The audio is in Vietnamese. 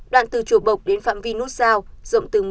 đoạn từ chùa bộc đến phạm vi nút sao rộng từ hai mươi mét